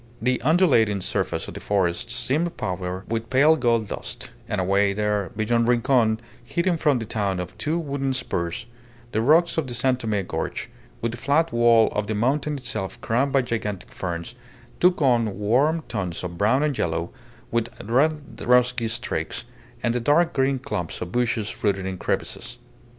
The undulating surface of the forests seemed powdered with pale gold dust; and away there, beyond Rincon, hidden from the town by two wooded spurs, the rocks of the San Tome gorge, with the flat wall of the mountain itself crowned by gigantic ferns, took on warm tones of brown and yellow, with red rusty streaks, and the dark green clumps of bushes rooted in crevices.